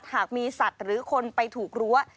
หากมีสัตว์หรือคนไปถูกรั้ว